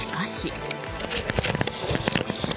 しかし。